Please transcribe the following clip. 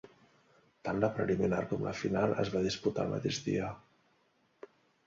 Tant la preliminar com la final es va disputar el mateix dia.